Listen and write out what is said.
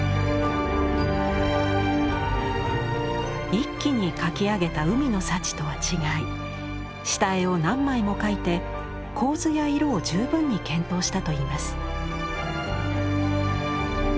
一気に描き上げた「海の幸」とは違い下絵を何枚も描いて構図や色を十分に検討したといいます。